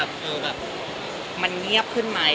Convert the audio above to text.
แบบมันเงียบขึ้นไหม